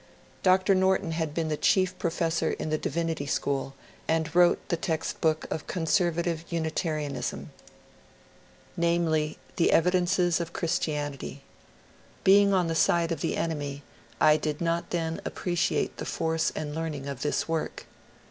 Dr. Norton had. been the chief professor in the Divinity School, and wrote the text book of conservative Unitarianism, 160 MONCURE DANIEL CONWAY namely, '* The Evidences of Christianity.'' Being on the side of the enemy, I did not then appreciate the force and learn ing of this work.